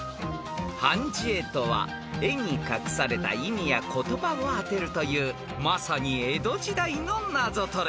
［判じ絵とは絵に隠された意味や言葉を当てるというまさに江戸時代のナゾトレ］